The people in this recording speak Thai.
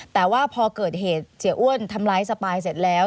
แต่ว่าพอเกิดเหตุเสียอ้วนทำร้ายสปายเสร็จแล้ว